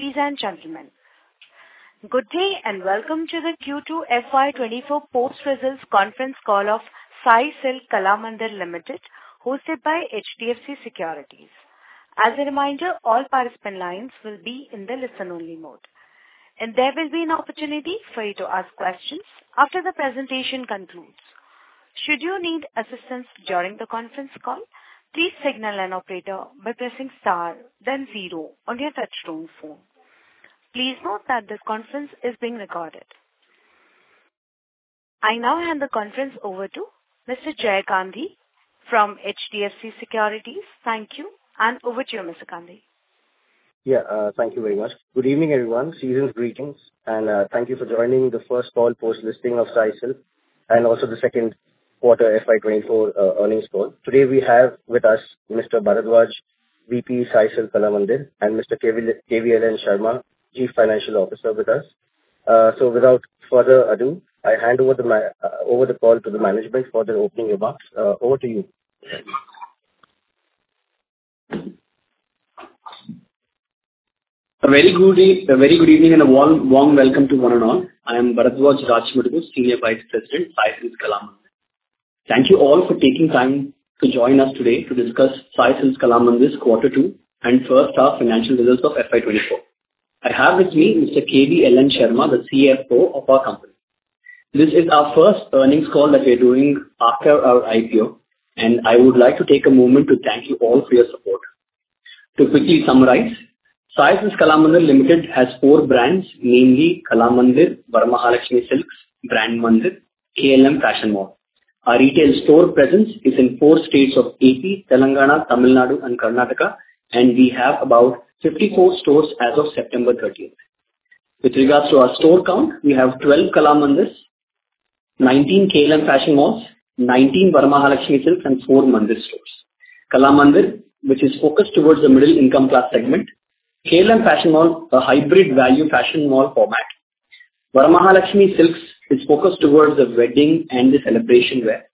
Ladies and gentlemen, good day, and welcome to the Q2 FY24 post-results conference call of Sai Silks Kalamandir Limited, hosted by HDFC Securities. As a reminder, all participant lines will be in the listen-only mode, and there will be an opportunity for you to ask questions after the presentation concludes. Should you need assistance during the conference call, please signal an operator by pressing star then zero on your touchtone phone. Please note that this conference is being recorded. I now hand the conference over to Mr. Jay Gandhi from HDFC Securities. Thank you, and over to you, Mr. Gandhi. Yeah, thank you very much. Good evening, everyone. Seasonal greetings, and thank you for joining the first call post-listing of Sai Silks, and also the second quarter FY24 earnings call. Today, we have with us Mr. Bharadwaj, VP, Sai Silks Kalamandir, and Mr. K.V.L.N. Sarma, Chief Financial Officer with us. So without further ado, I hand over the call to the management for their opening remarks. Over to you. A very good day—a very good evening, and a warm, warm welcome to one and all. I am Bharadwaj Rajaram, Senior Vice President, Sai Silks Kalamandir. Thank you all for taking time to join us today to discuss Sai Silks Kalamandir's Quarter Two and first half financial results of FY 2024. I have with me Mr. K.V.L.N. Sarma, the CFO of our company. This is our first earnings call that we're doing after our IPO, and I would like to take a moment to thank you all for your support. To quickly summarize, Sai Silks Kalamandir Limited has four brands, namely, Kalamandir, Varamahalakshmi Silks, brand Mandir, KLM Fashion Mall. Our retail store presence is in four states of AP, Telangana, Tamil Nadu, and Karnataka, and we have about 54 stores as of September thirteenth. With regard to our store count, we have 12 Kalamandirs, 19 KLM Fashion Malls, 19 Varamahalakshmi Silks, and 4 Mandir stores. Kalamandir, which is focused toward the middle-income class segment, KLM Fashion Mall, a hybrid value fashion mall format. Varamahalakshmi Silks is focused toward the wedding and the celebration wear.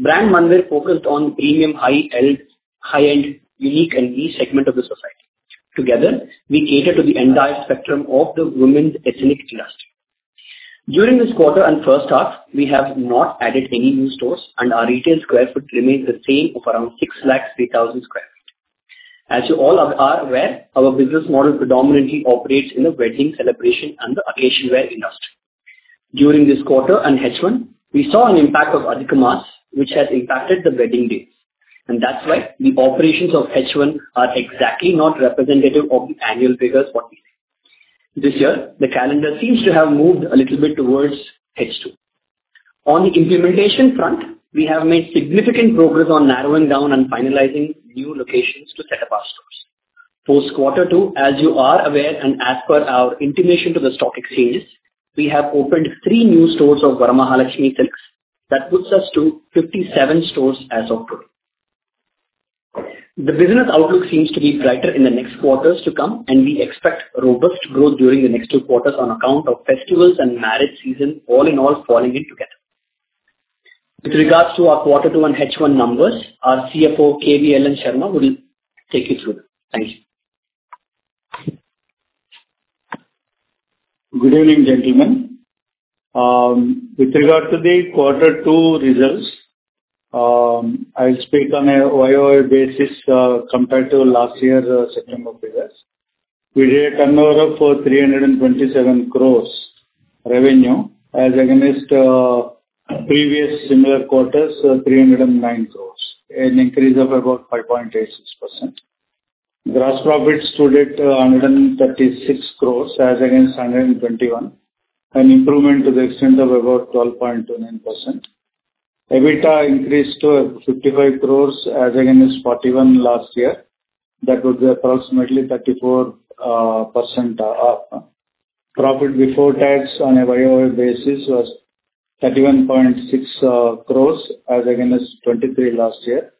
brand Mandir focused on premium, high-end, high-end, unique, and elite segment of the society. Together, we cater to the entire spectrum of the women's ethnic industry. During this quarter and first half, we have not added any new stores, and our retail square foot remains the same of around 603,000 sq ft. As you all are aware, our business model predominantly operates in the wedding celebration and the occasion wear industry. During this quarter and H1, we saw an impact of Adhik Maas, which has impacted the wedding date, and that's why the operations of H1 are exactly not representative of the annual figures for this. This year, the calendar seems to have moved a little bit towards H2. On the implementation front, we have made significant progress on narrowing down and finalizing new locations to set up our stores. Post Quarter Two, as you are aware, and as per our intimation to the stock exchanges, we have opened 3 new stores of Varamahalakshmi Silks. That puts us to 57 stores as of today. The business outlook seems to be brighter in the next quarters to come, and we expect robust growth during the next 2 quarters on account of festivals and marriage season, all in all, falling in together. With regards to our Quarter Two and H1 numbers, our CFO, K.V.L.N. Sarma, will take you through them. Thank you. Good evening, gentlemen. With regard to the Quarter Two results, I'll speak on a YOY basis, compared to last year's September figures. We did a turnover of 327 crore revenue, as against previous similar quarters 309 crore, an increase of about 5.86%. Gross profits stood at 136 crore, as against 121 crore, an improvement to the extent of about 12.29%. EBITDA increased to 55 crore, as against 41 crore last year. That would be approximately 34% up. Profit before tax on a YOY basis was 31.6 crore, as against 23 crore last year,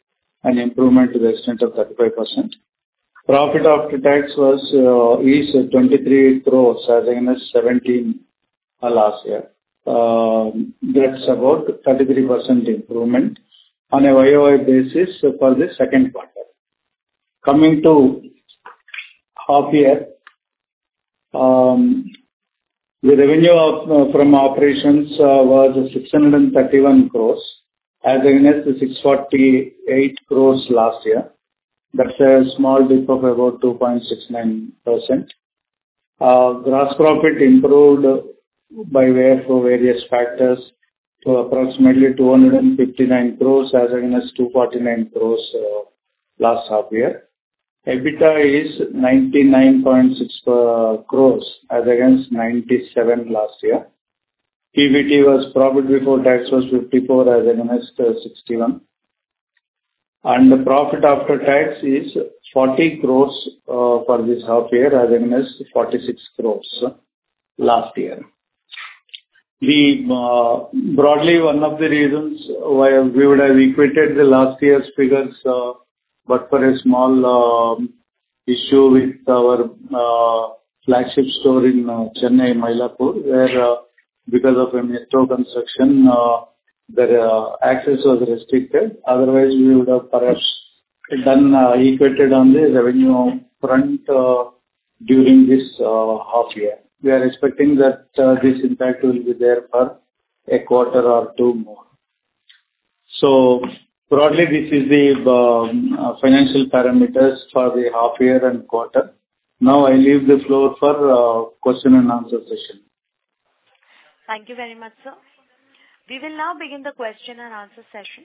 an improvement to the extent of 35%. Profit after tax was is 23 crore, as against 17 crore last year. That's about 33% improvement on a YOY basis for the second quarter. Coming to half year, the revenue of from operations was 631 crore, as against the 648 crore last year. That's a small dip of about 2.69%. Gross profit improved by way of various factors to approximately 259 crore, as against 249 crore last half year. EBITDA is 99.6 crore, as against 97 crore last year. PBT was, profit before tax was 54, as against sixty-one, and the profit after tax is 40 crore for this half year, as against 46 crore last year. We... Broadly, one of the reasons why we would have equated the last year's figures, but for a small issue with our flagship store in Chennai, Mylapore, where because of a metro construction, their access was restricted. Otherwise, we would have perhaps equated on the revenue front during this half year. We are expecting that this impact will be there for a quarter or two more. So broadly, this is the financial parameters for the half year and quarter. Now I leave the floor for question and answer session. Thank you very much, sir. We will now begin the question and answer session.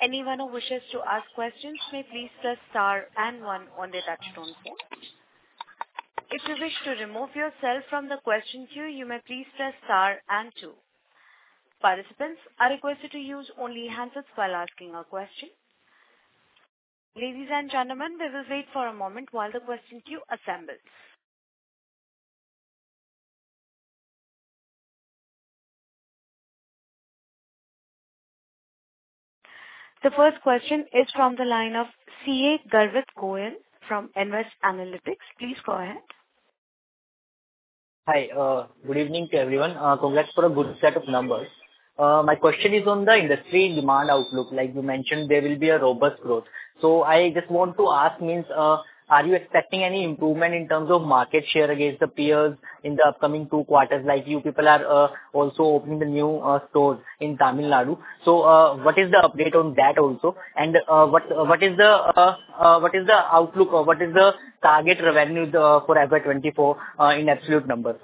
Anyone who wishes to ask questions, may please press star and one on their touchtone phone. If you wish to remove yourself from the question queue, you may please press star and two. Participants are requested to use only handsets while asking a question. Ladies and gentlemen, we will wait for a moment while the question queue assembles. The first question is from the line of CA Garvit Goyal from Nvest Analytics. Please go ahead. Hi, good evening to everyone. Congrats for a good set of numbers. My question is on the industry demand outlook. Like you mentioned, there will be a robust growth. So I just want to ask means, are you expecting any improvement in terms of market share against the peers in the upcoming two quarters? Like, you people are also opening the new stores in Tamil Nadu. So, what is the update on that also? And, what is the outlook or what is the target revenue for FY 2024 in absolute numbers?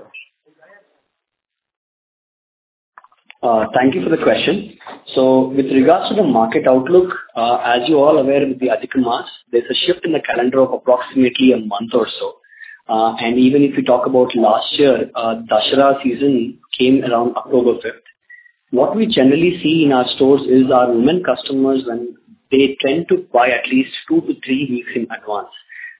Thank you for the question. So with regards to the market outlook, as you're all aware, with the Adhik Maas, there's a shift in the calendar of approximately a month or so. And even if you talk about last year, Dussehra season came around October 5. What we generally see in our stores is our women customers, when they tend to buy at least 2-3 weeks in advance.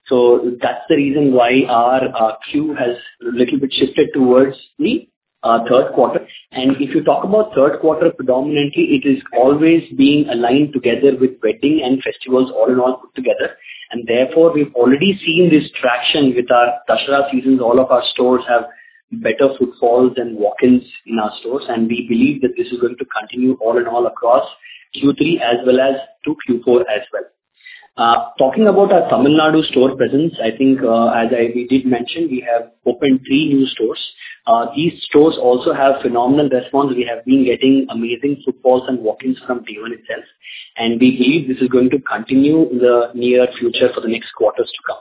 So that's the reason why our Q has little bit shifted towards the third quarter. And if you talk about third quarter, predominantly, it is always being aligned together with wedding and festivals all in all put together. And therefore, we've already seen this traction with our Dussehra seasons. All of our stores have better footfalls and walk-ins in our stores, and we believe that this is going to continue all in all across Q3 as well as to Q4 as well. Talking about our Tamil Nadu store presence, I think, as I, we did mention, we have opened three new stores. These stores also have phenomenal response. We have been getting amazing footfalls and walk-ins from day one itself, and we believe this is going to continue in the near future for the next quarters to come.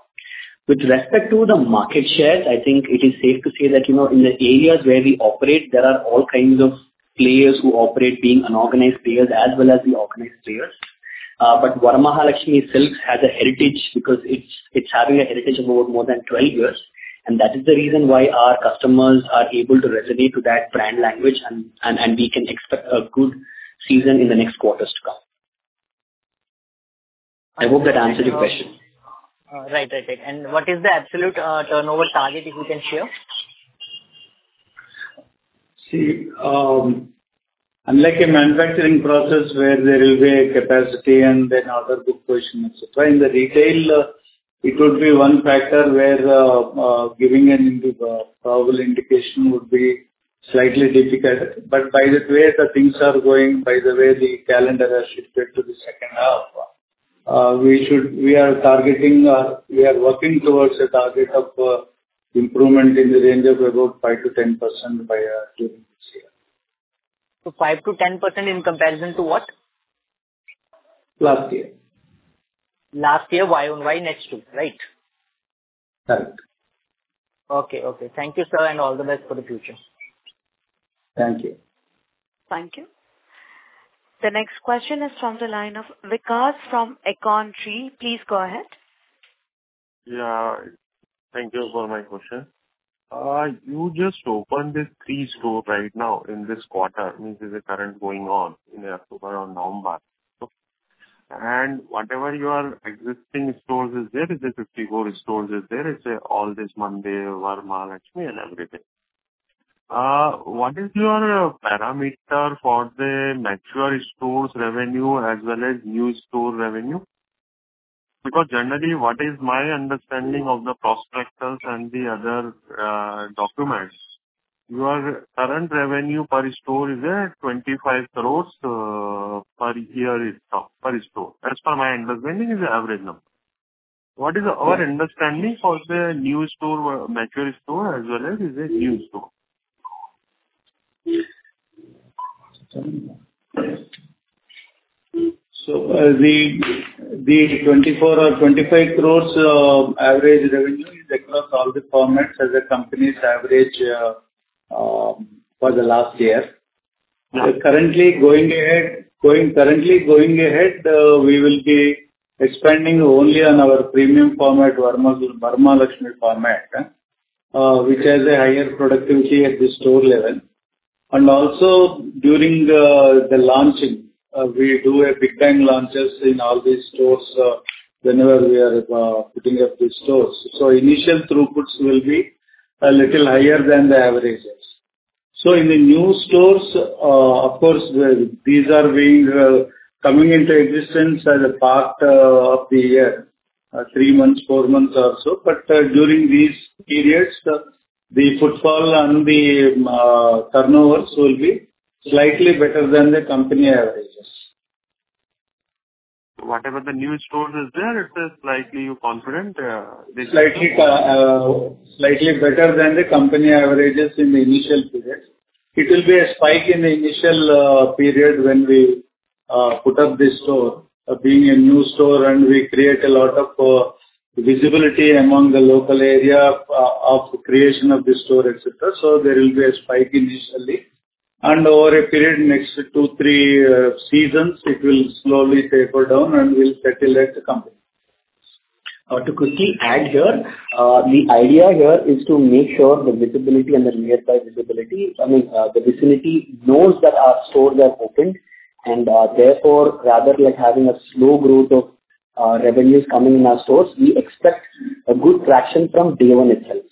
With respect to the market shares, I think it is safe to say that, you know, in the areas where we operate, there are all kinds of players who operate, being unorganized players as well as the organized players. Varamahalakshmi Silks has a heritage because it's having a heritage of over more than 12 years, and that is the reason why our customers are able to resonate to that brand language, and we can expect a good season in the next quarters to come. I hope that answered your question. Right. Right. Right. And what is the absolute turnover target, if you can share? See, unlike a manufacturing process where there will be a capacity and then other good questions, et cetera, in the retail, it would be one factor where giving an indication would be slightly difficult. But by the way that things are going, by the way the calendar has shifted to the second half, we should. We are targeting, we are working towards a target of improvement in the range of about 5%-10% by during this year. 5%-10% in comparison to what? Last year. Last year, YOY, next two, right? Right. Okay. Okay. Thank you, sir, and all the best for the future. Thank you. Thank you. The next question is from the line of Vikas from Equitree Capital. Please go ahead. Yeah, thank you for my question. You just opened these 3 stores right now in this quarter, means is the current going on in October or November. So, and whatever your existing stores is there, is the 54 stores is there, is all these Kalamandir, Varamahalakshmi, and everything. What is your parameter for the mature stores revenue as well as new store revenue? Because generally, what is my understanding of the prospectus and the other documents, your current revenue per store is 25 crores per year is top, per store. As per my understanding, is the average number. What is our understanding for the new store, mature store, as well as is a new store? The 24 crore or 25 crore average revenue is across all the formats as a company's average for the last year. Right. Currently going ahead, we will be expanding only on our premium format, Varamahalakshmi format, which has a higher productivity at the store level. And also during the launching, we do big time launches in all these stores, whenever we are putting up the stores. So initial throughputs will be a little higher than the averages. So in the new stores, of course, these are being coming into existence as a part of the year, three months, four months or so. But during these periods, the footfall and the turnovers will be slightly better than the company averages. Whatever the new stores is there, it is slightly you confident, this- Slightly, slightly better than the company averages in the initial period. It will be a spike in the initial period when we put up this store. Being a new store, and we create a lot of visibility among the local area of creation of the store, et cetera. So there will be a spike initially, and over a period, next two, three seasons, it will slowly taper down, and we'll settle at the company. To quickly add here, the idea here is to make sure the visibility and the nearby visibility, I mean, the vicinity knows that our stores are opened. And, therefore, rather like having a slow growth of, revenues coming in our stores, we expect a good traction from day one itself.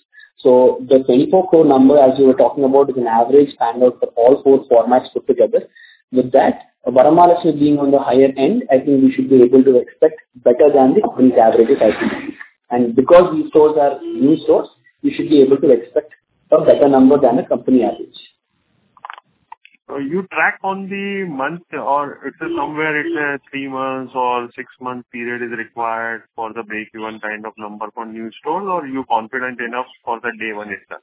So the 24 crore number, as you were talking about, is an average pan out of all four formats put together. With that, Varamahalakshmi being on the higher end, I think we should be able to expect better than the company's average, I think. And because these stores are new stores, we should be able to expect a better number than the company average. You track on the month, or it's somewhere, 3 months or 6-month period is required for the break-even kind of number for new stores, or are you confident enough for the day one itself?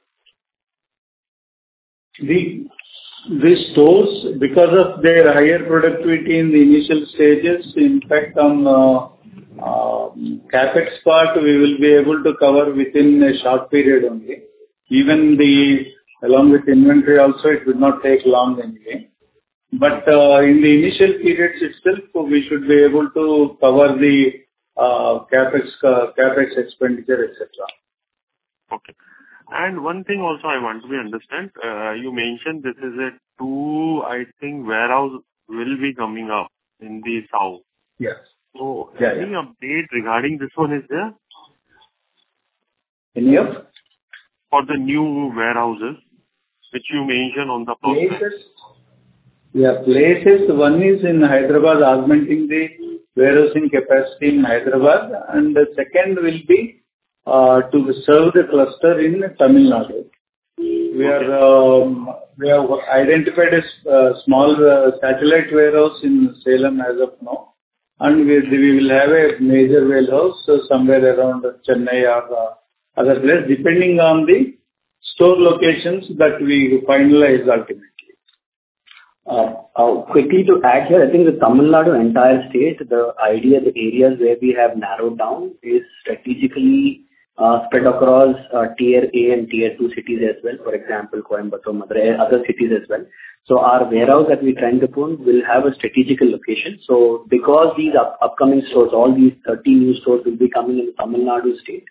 These stores, because of their higher productivity in the initial stages, in fact, on the CapEx part, we will be able to cover within a short period only. Even then, along with inventory also, it would not take long anyway. But in the initial periods itself, we should be able to cover the CapEx expenditure, et cetera. Okay. One thing also I want to understand, you mentioned this is a 2, I think, warehouse will be coming up in the south. Yes. So- Yes. Any update regarding this one is there? In here? For the new warehouses, which you mentioned on the phone. Places? Yeah, places. One is in Hyderabad, augmenting the warehousing capacity in Hyderabad, and the second will be to serve the cluster in Tamil Nadu. We have identified a small satellite warehouse in Salem as of now, and we will have a major warehouse somewhere around Chennai or other place, depending on the store locations that we finalize ultimately. Quickly to add here, I think the Tamil Nadu entire state, the idea, the areas where we have narrowed down is strategically spread across Tier A and Tier 2 cities as well. For example, Coimbatore, other cities as well. So our warehouse that we plan to put will have a strategic location. So because these upcoming stores, all these 13 new stores will be coming in the Tamil Nadu state,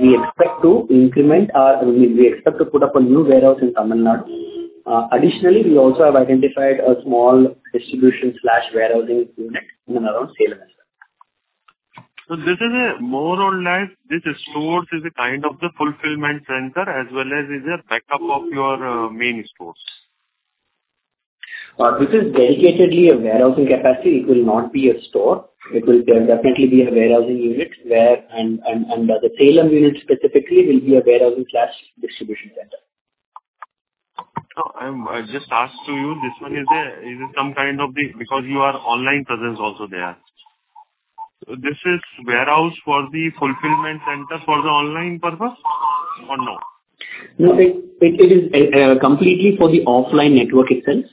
we expect to increment our... We, we expect to put up a new warehouse in Tamil Nadu. Additionally, we also have identified a small distribution slash warehousing unit in and around Salem. This is a more or less, this stores is a kind of the fulfillment center as well as is a backup of your, main stores? This is dedicatedly a warehousing capacity. It will not be a store. It will definitely be a warehousing unit where the Salem unit specifically will be a warehousing slash distribution center. No, I just asked to you. This one is some kind of the... Because you are online presence also there. So this is warehouse for the fulfillment center for the online purpose, or no? No, it is completely for the offline network itself.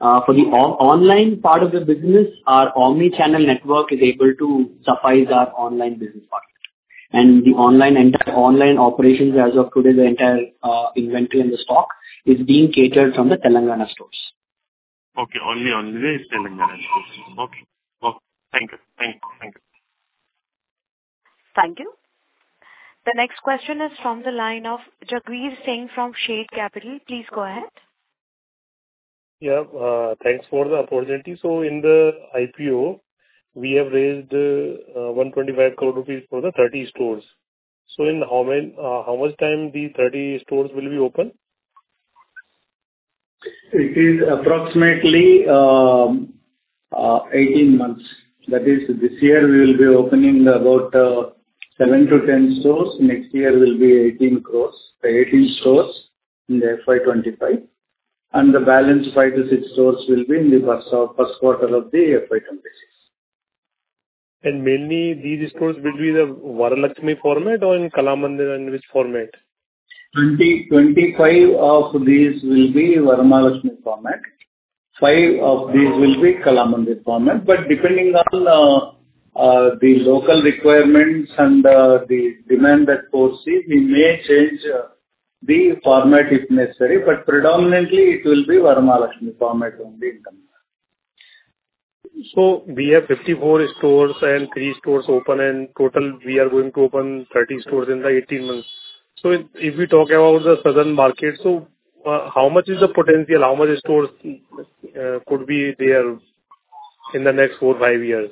For the online part of the business, our omni-channel network is able to suffice our online business part. And the entire online operations as of today, the entire inventory and the stock is being catered from the Telangana stores. Okay, only Telangana stores. Okay. Okay. Thank you. Thank you. Thank you. Thank you. The next question is from the line of Jagvir Singh from Shade Capital. Please go ahead. Yeah. Thanks for the opportunity. So in the IPO, we have raised 125 crore rupees for the 30 stores. So in how many, how much time these 30 stores will be open? It is approximately 18 months. That is, this year we will be opening about 7-10 stores. Next year will be 18 crore, 18 stores in the FY 2025, and the balance 5-6 stores will be in the first quarter of the FY 2026. Mainly these stores will be the Varamahalakshmi format or in Kalamandir, and which format? 25 of these will be Varamahalakshmi format. Five of these will be Kalamandir format. But depending on the local requirements and the demand that foresee, we may change the format if necessary. But predominantly, it will be Varamahalakshmi format only in Tamil Nadu. So we have 54 stores and 3 stores open, and total, we are going to open 30 stores in the 18 months. So if we talk about the southern market, so, how much is the potential? How much stores could be there in the next 4-5 years?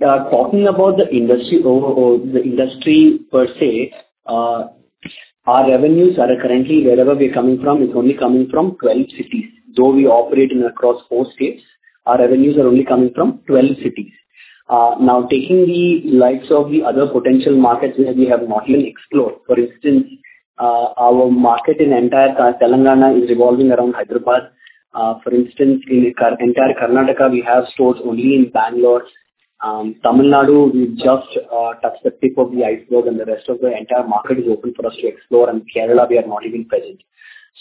Talking about the industry over, or the industry per se, our revenues are currently, wherever we're coming from, it's only coming from 12 cities. Though we operate in across 4 states, our revenues are only coming from 12 cities. Now taking the likes of the other potential markets where we have not even explored, for instance, our market in entire Telangana is revolving around Hyderabad. For instance, in entire Karnataka, we have stores only in Bangalore. Tamil Nadu, we just touched the tip of the iceberg, and the rest of the entire market is open for us to explore. In Kerala, we are not even present.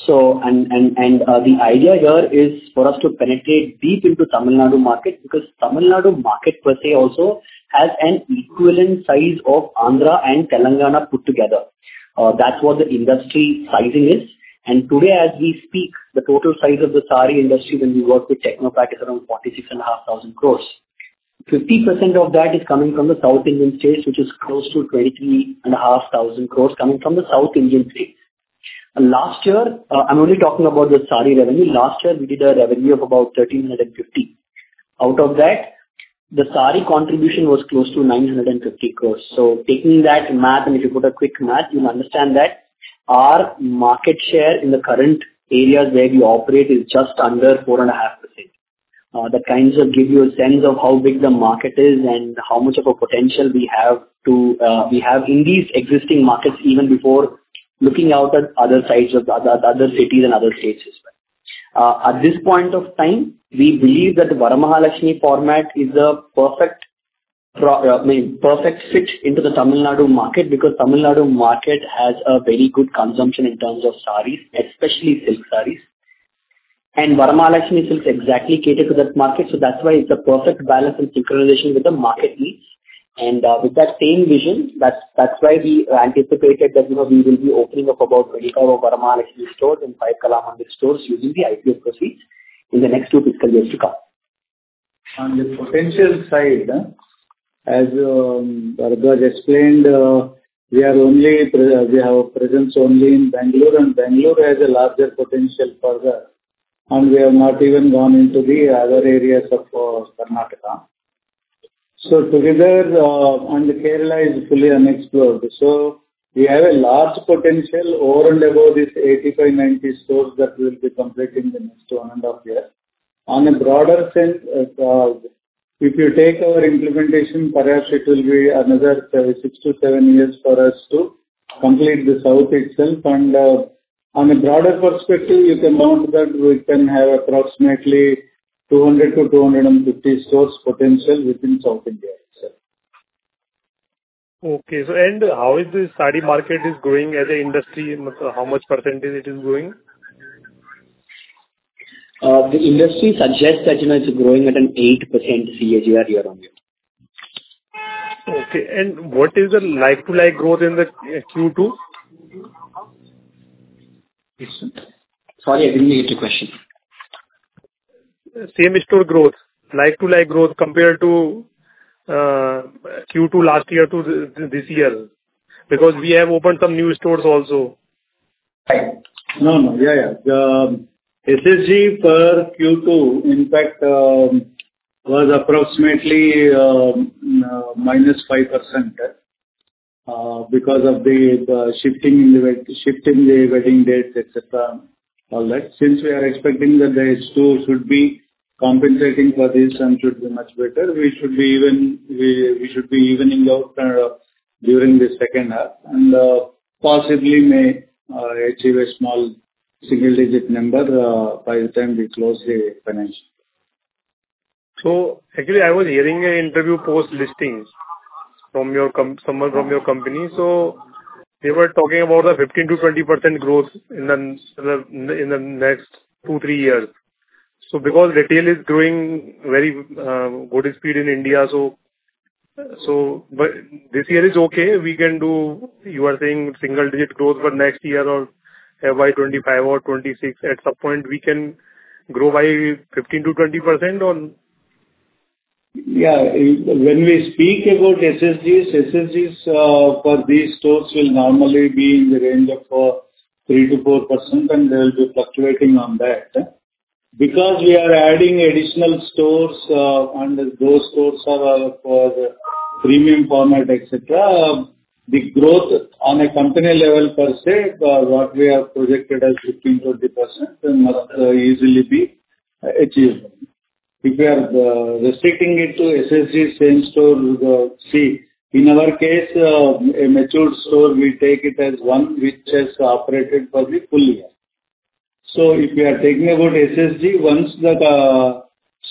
The idea here is for us to penetrate deep into Tamil Nadu market, because Tamil Nadu market per se also has an equivalent size of Andhra and Telangana put together. That's what the industry sizing is. Today, as we speak, the total size of the sari industry when we work with Technopak is around 46,500 crore. Fifty percent of that is coming from the South Indian states, which is close to 23,500 crore coming from the South Indian states. Last year, I'm only talking about the sari revenue. Last year, we did a revenue of about 1,350 crore. Out of that, the sari contribution was close to 950 crore. Taking that math, and if you put a quick math, you'll understand that our market share in the current areas where we operate is just under 4.5%. That kinds of give you a sense of how big the market is and how much of a potential we have to, we have in these existing markets even before looking out at other sides of the other, other cities and other states as well. At this point of time, we believe that the Varamahalakshmi format is a perfect I mean, perfect fit into the Tamil Nadu market, because the Tamil Nadu market has a very good consumption in terms of sarees, especially silk sarees. With that same vision, that's, that's why we anticipated that, you know, we will be opening up about 20 Varamahalakshmi stores and 5 Kalamandir stores using the IPO proceeds in the next 2 fiscal years to come. On the potential side, as Bharadwaj explained, we have a presence only in Bangalore, and Bangalore has a larger potential further, and we have not even gone into the other areas of Karnataka. So together, and Kerala is fully unexplored. So we have a large potential over and above this 85-90 stores that we'll be completing in the next 1.5 year. On a broader sense, if you take our implementation, perhaps it will be another 6-7 years for us to complete the South itself. On a broader perspective, you can note that we can have approximately 200-250 stores potential within South India itself. Okay. How is the saree market is growing as an industry, and how much percentage it is growing? The industry suggests that, you know, it's growing at an 8% CAGR year-on-year. Okay. What is the like-for-like growth in the Q2? Sorry, I didn't get your question. Same store growth. Like-to-like growth compared to Q2 last year to this year, because we have opened some new stores also. Right. No, no. Yeah, yeah. SSG per Q2, in fact, was approximately -5%, because of the shifting the wedding dates, et cetera, all that. Since we are expecting that the store should be compensating for this and should be much better, we should be even, we should be evening out during the second half, and possibly may achieve a small single digit number by the time we close the financial. So actually, I was hearing an interview post-listing from your company, someone from your company, so they were talking about a 15%-20% growth in the next two, three years. So because retail is growing very good speed in India, so but this year is okay, we can do, you are saying single-digit growth, but next year or FY 2025 or 2026, at some point, we can grow by 15%-20% on? Yeah. When we speak about SSGs, SSGs for these stores will normally be in the range of 3%-4%, and they will be fluctuating on that. Because we are adding additional stores, and those stores are for the premium format, et cetera, the growth on a company level per se, for what we have projected as 15%-20%, can easily be achieved. If we are restricting it to SSG same store, see, in our case, a mature store, we take it as one which has operated for the full year. So if we are talking about SSG, once the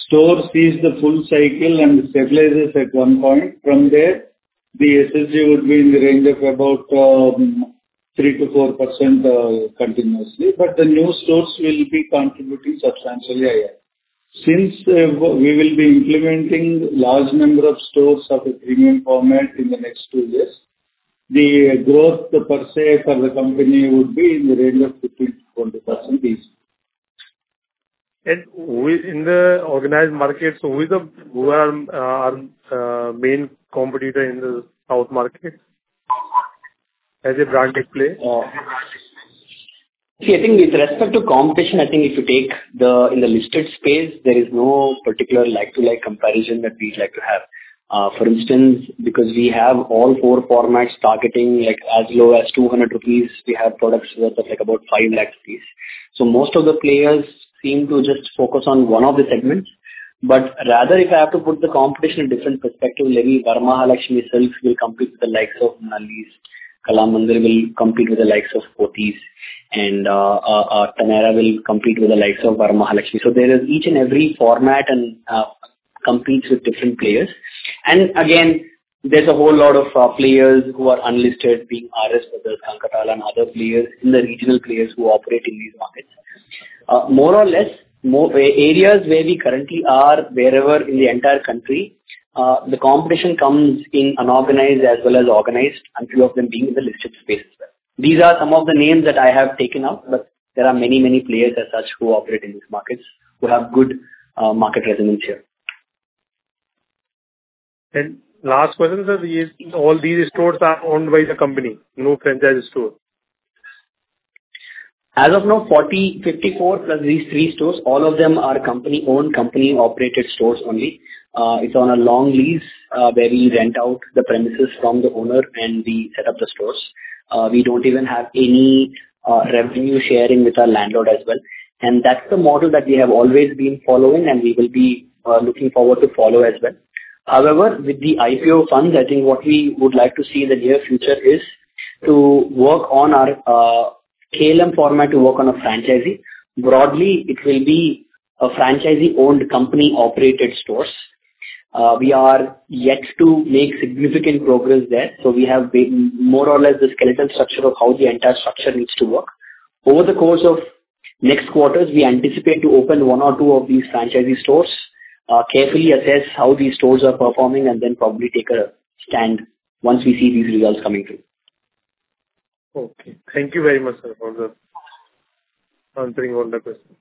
store sees the full cycle and stabilizes at one point, from there, the SSG would be in the range of about 3%-4% continuously, but the new stores will be contributing substantially, yeah. Since we will be implementing large number of stores of a premium format in the next 2 years, the growth per se for the company would be in the range of 15%-20% at least. In the organized market, so who are the main competitors in the South market as a brand play? See, I think with respect to competition, I think if you take the, in the listed space, there is no particular like-to-like comparison that we'd like to have. For instance, because we have all four formats targeting, like, as low as 200 rupees, we have products worth of, like, about 5 lakh rupees... So most of the players seem to just focus on one of the segments. But rather, if I have to put the competition in different perspective, maybe Varamahalakshmi itself will compete with the likes of Nalli, Kalamandir will compete with the likes of Pothys, and Taneira will compete with the likes of Varamahalakshmi. So there is each and every format and competes with different players. And again, there's a whole lot of players who are unlisted, being R.S. Brothers, South India Shopping Mall, Kankatala, and other players in the regional players who operate in these markets. More or less, areas where we currently are, wherever in the entire country, the competition comes in unorganized as well as organized, and few of them being in the listed space. These are some of the names that I have taken up, but there are many, many players as such who operate in these markets, who have good market resonance here. Last question, sir, is all these stores are owned by the company, no franchise store? As of now, 54 plus these three stores, all of them are company-owned, company-operated stores only. It's on a long lease, where we rent out the premises from the owner and we set up the stores. We don't even have any revenue sharing with our landlord as well. And that's the model that we have always been following, and we will be looking forward to follow as well. However, with the IPO funds, I think what we would like to see in the near future is to work on our KLM format to work on a franchisee. Broadly, it will be a franchisee-owned, company-operated stores. We are yet to make significant progress there, so we have been more or less the skeleton structure of how the entire structure needs to work. Over the course of next quarters, we anticipate to open one or two of these franchisee stores, carefully assess how these stores are performing, and then probably take a stand once we see these results coming through. Okay. Thank you very much, sir, for answering all the questions.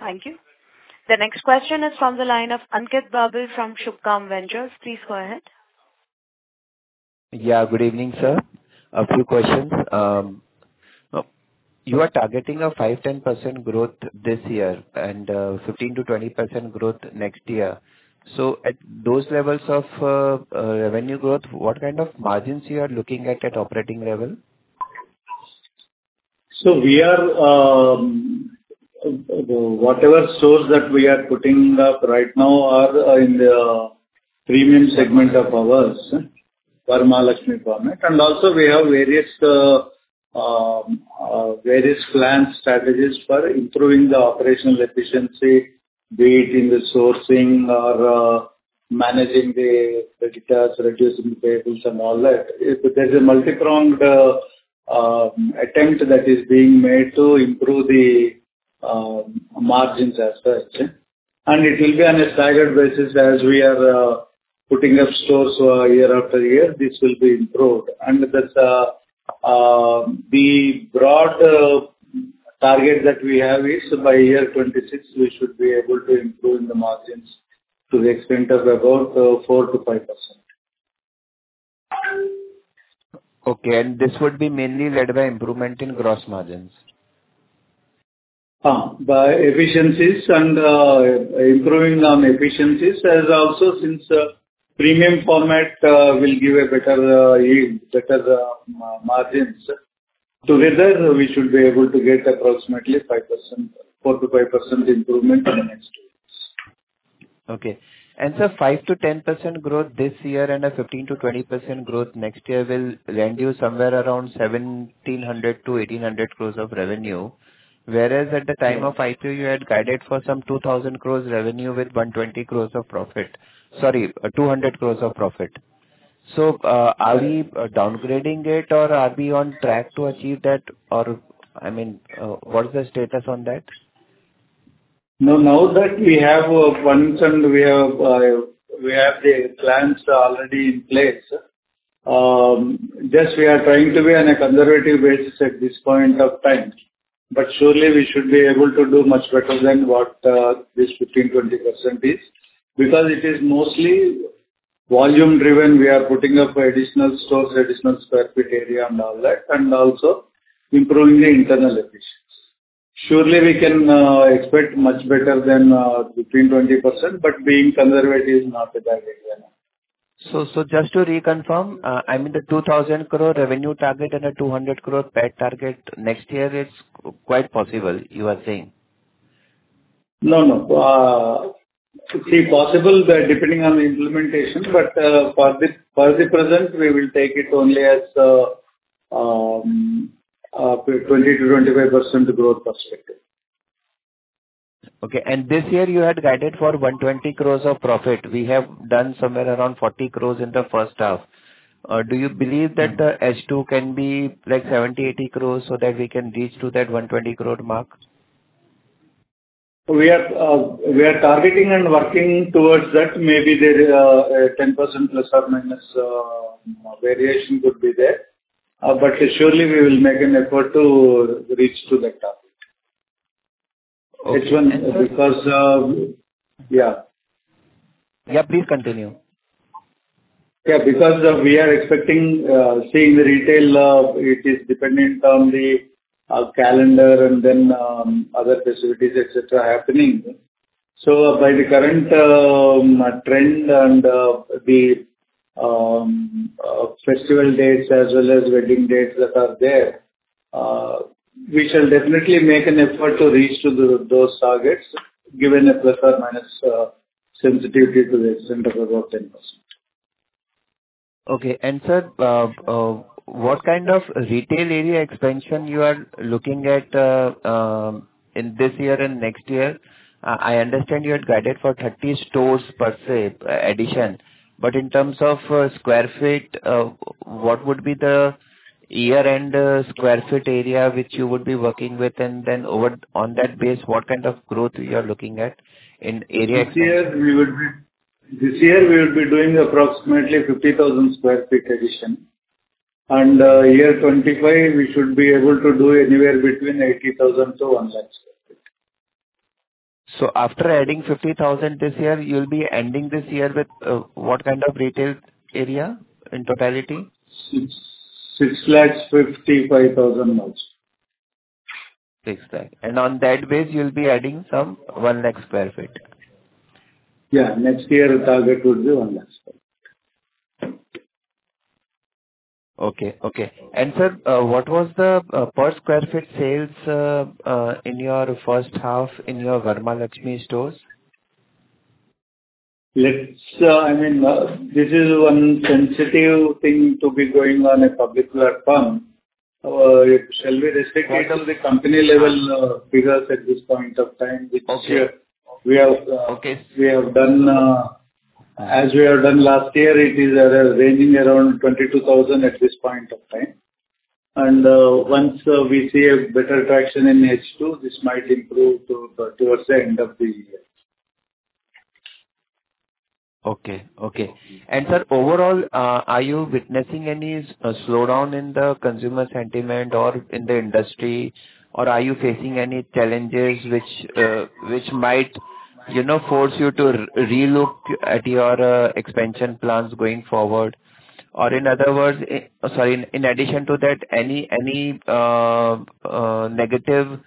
Thank you. The next question is from the line of Ankit Babel from Subhkam Ventures. Please go ahead. Yeah, good evening, sir. A few questions. You are targeting a 5%-10% growth this year and 15%-20% growth next year. So at those levels of revenue growth, what kind of margins you are looking at, at operating level? So we are, whatever stores that we are putting up right now are in the premium segment of ours, Varamahalakshmi format. And also we have various plan strategies for improving the operational efficiency, be it in the sourcing or managing the creditors, reducing payables and all that. There's a multi-pronged attempt that is being made to improve the margins as such. And it will be on a staggered basis as we are putting up stores year after year, this will be improved. And that, the broad target that we have is by year 2026, we should be able to improve the margins to the extent of about 4%-5%. Okay, and this would be mainly led by improvement in gross margins? By efficiencies and improving on efficiencies, as also since premium format will give a better yield, better margins. Together, we should be able to get approximately 5%, 4%-5% improvement in the next two years. Okay. Five to 10% growth this year and a 15%-20% growth next year will land you somewhere around 1,700 crores-1,800 crores of revenue. Whereas at the time of IPO, you had guided for some 2,000 crores revenue with 120 crores of profit, sorry, 200 crores of profit. So, are we downgrading it, or are we on track to achieve that? Or, I mean, what is the status on that? No, now that we have the plans already in place, just we are trying to be on a conservative basis at this point of time. But surely we should be able to do much better than what this 15%-20% is, because it is mostly volume-driven. We are putting up additional stores, additional square feet area and all that, and also improving the internal efficiencies. Surely, we can expect much better than 15%-20%, but being conservative is not a bad idea now. So just to reconfirm, I mean, the 2,000 crore revenue target and a 200 crore PAT target next year, it's quite possible, you are saying? No, no. It is possible by depending on the implementation, but for the present, we will take it only as 20%-25% growth perspective. Okay. This year you had guided for 120 crores of profit. We have done somewhere around 40 crores in the first half. Do you believe that the H2 can be like 70 crores-80 crores so that we can reach to that 120 crore mark? We are targeting and working towards that. Maybe there is a 10% ± variation that could be there. But surely we will make an effort to reach to that target. Okay. It's one because... Yeah. Yeah, please continue. Yeah, because, we are expecting, seeing the retail, it is dependent on the, calendar and then, other festivities, et cetera, happening. So by the current, trend and, the, festival dates as well as wedding dates that are there, we shall definitely make an effort to reach to those targets, given a plus or minus, sensitivity to the center of about 10%. Okay. And, sir, what kind of retail area expansion you are looking at in this year and next year? I understand you had guided for 30 stores per se addition, but in terms of sq ft, what would be the year-end sq ft area which you would be working with? And then over- on that base, what kind of growth you are looking at in area- This year, we would be, this year we will be doing approximately 50,000 sq ft addition. Year 2025, we should be able to do anywhere between 80,000-100,000 sq ft. So after adding 50,000 this year, you'll be ending this year with, what kind of retail area in totality? 655,000, roughly. 600,000. And on that base, you'll be adding some 100,000 sq ft? Yeah, next year our target would be 100,000 sq ft. Okay, okay. And, sir, what was the per square feet sales in your first half in your Varamahalakshmi stores? Let's, I mean, this is one sensitive thing to be going on a public platform. It shall be restricted to the company level figures at this point of time. Okay. -which we have- Okay. We have done, as we have done last year, it is ranging around 22,000 at this point of time. Once we see a better traction in H2, this might improve to towards the end of the year. Okay, okay. And, sir, overall, are you witnessing any slowdown in the consumer sentiment or in the industry, or are you facing any challenges which, which might, you know, force you to relook at your expansion plans going forward? Or in other words, sorry, in addition to that, any negative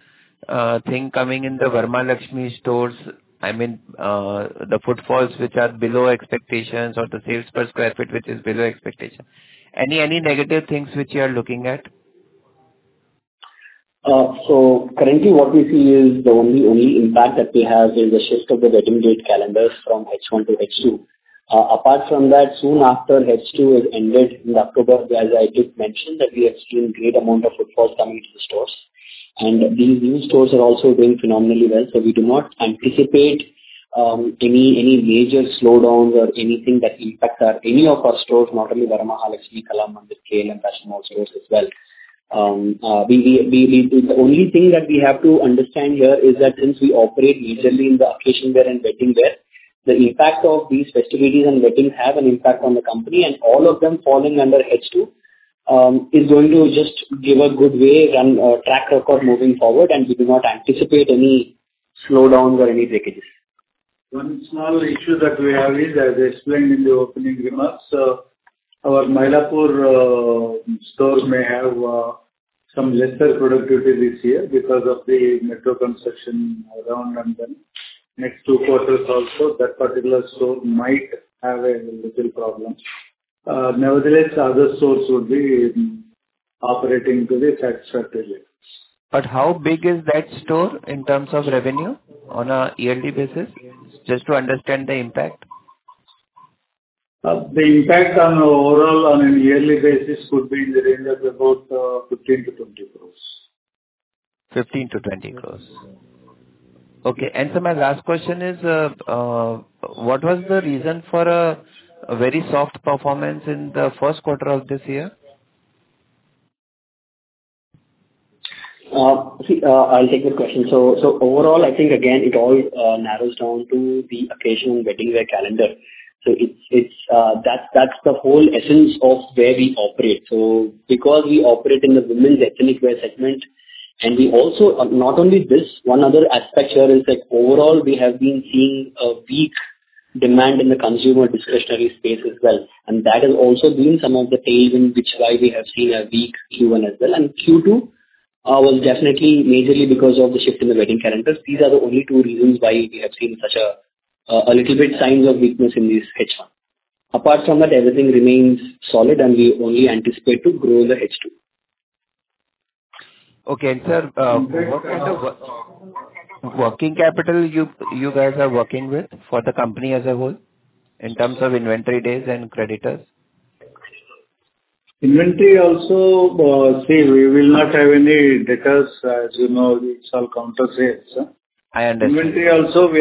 thing coming in the Varamahalakshmi stores, I mean, the footfalls which are below expectations or the sales per square feet, which is below expectation. Any negative things which you are looking at? So currently what we see is the only, only impact that we have is a shift of the wedding date calendars from H1 to H2. Apart from that, soon after H2 is ended in October, as I just mentioned, that we have seen great amount of footfalls coming to the stores. And these new stores are also doing phenomenally well, so we do not anticipate any, any major slowdowns or anything that impacts our, any of our stores, not only Varamahalakshmi, Kalamandir, KLM Fashion Mall stores as well. The only thing that we have to understand here is that since we operate majorly in the occasion wear and wedding wear, the impact of these festivities and weddings have an impact on the company, and all of them fall in under H2, is going to just give a good way and track record moving forward, and we do not anticipate any slowdowns or any breakages. One small issue that we have is, as I explained in the opening remarks, our Mylapore stores may have some lesser productivity this year because of the metro construction around, and then next two quarters also, that particular store might have a little problem. Nevertheless, other stores would be operating to the satisfactory levels. How big is that store in terms of revenue on a yearly basis? Just to understand the impact. The impact on overall on a yearly basis could be in the range of about 15-20 crores. 15 crore-INR 20 crore. Okay, and so my last question is, what was the reason for a very soft performance in the first quarter of this year? See, I'll take the question. So, overall, I think again, it all narrows down to the occasion wedding wear calendar. So, it's that's the whole essence of where we operate. So, because we operate in the women's ethnic wear segment, and we also... Not only this, one other aspect here is that overall, we have been seeing a weak demand in the consumer discretionary space as well. And that has also been some of the reason which is why we have seen a weak Q1 as well. And Q2 was definitely majorly because of the shift in the wedding calendars. These are the only two reasons why we have seen such a little bit signs of weakness in this H1. Apart from that, everything remains solid, and we only anticipate to grow in the H2. Okay. Sir, what kind of working capital you, you guys are working with for the company as a whole, in terms of inventory days and creditors? Inventory also, we will not have any debtors, as you know, it's all counter sales. I understand. Inventory also,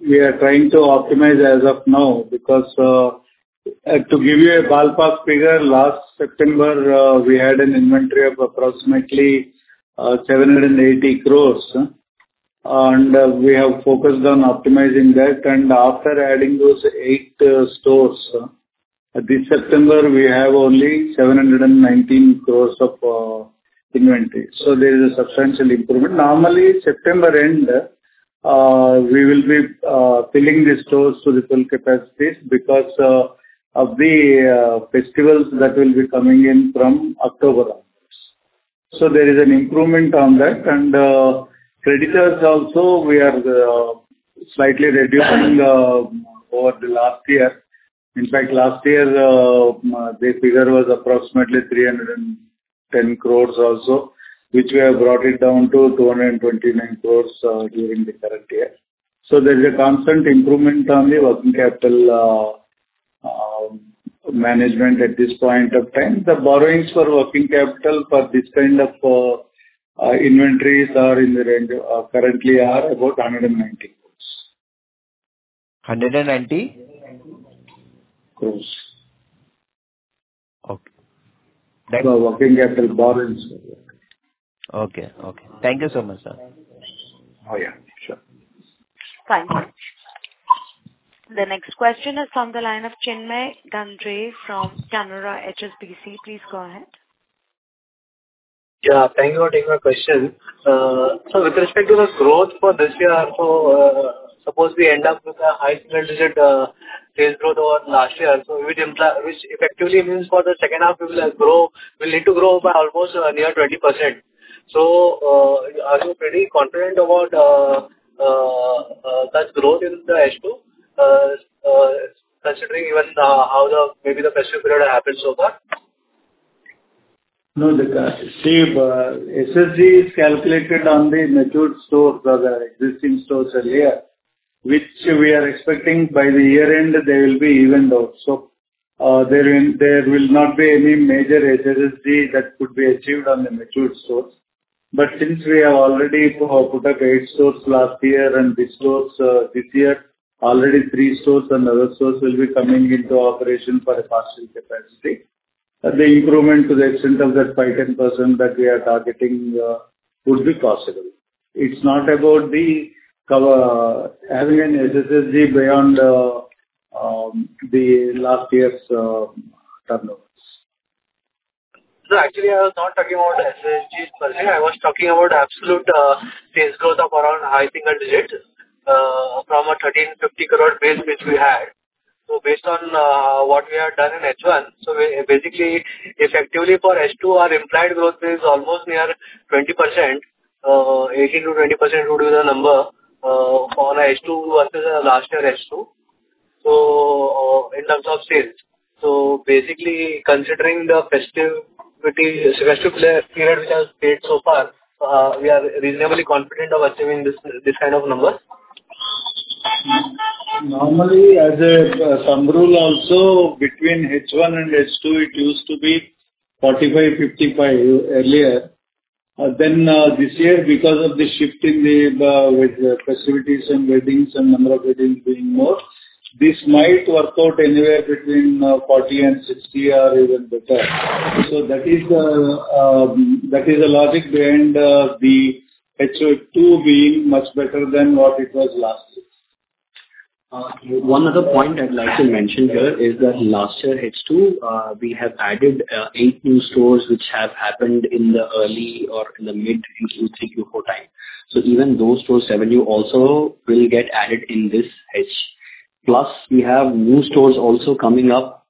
we are trying to optimize as of now because to give you a ballpark figure, last September, we had an inventory of approximately 780 crores. We have focused on optimizing that. After adding those 8 stores, this September, we have only 719 crores of inventory. So there is a substantial improvement. Normally, September end, we will be filling the stores to the full capacities because of the festivals that will be coming in from October on. So there is an improvement on that, and creditors also, we are slightly reducing over the last year. In fact, last year, the figure was approximately 310 crore also, which we have brought it down to 229 crore, during the current year. So there's a constant improvement on the working capital, management at this point of time. The borrowings for working capital for this kind of, inventories are in the range, currently are about 190 crore. 190? Crores. Okay. The working capital borrowings. Okay, okay. Thank you so much, sir. Oh, yeah, sure. Fine. The next question is from the line of Chinmay Gandre from Canara HSBC. Please go ahead. Yeah, thank you for taking my question. So with respect to the growth for this year, so, suppose we end up with a high single digit sales growth over last year, so it implies, which effectively means for the second half, we will grow, we'll need to grow by almost near 20%. So, are you pretty confident about that growth in the H2, considering even how maybe the festive period happened so far? No, see, SSG is calculated on the matured stores or the existing stores earlier, which we are expecting by the year-end, they will be evened out. So, there will, there will not be any major SSG that could be achieved on the matured stores. But since we have already put up 8 stores last year and this stores this year, already 3 stores and other stores will be coming into operation for a partial capacity. The improvement to the extent of that 5%-10% that we are targeting would be possible. It's not about the cover having an SSG beyond the last year's turnovers. No, actually, I was not talking about SSGs per se. I was talking about absolute, sales growth of around, I think, a digit, from a 1,350 crore base, which we had. So based on, what we have done in H1, so basically, effectively for H2, our implied growth is almost near 20%, eighteen to twenty percent would be the number, for H2 versus, last year H2, so, in terms of sales. So basically, considering the festivity, festive period which has stayed so far, we are reasonably confident of achieving this, this kind of numbers? Normally, as a thumb rule also, between H1 and H2, it used to be 45-55 earlier. Then, this year, because of the shift in the with the festivities and weddings and number of weddings being more, this might work out anywhere between 40 and 60 or even better. So that is the that is the logic behind the H2 being much better than what it was last year. One other point I'd like to mention here is that last year, H2, we have added eight new stores, which have happened in the early or in the mid Q3, Q4 time. So even those stores' revenue also will get added in this H. Plus, we have new stores also coming up,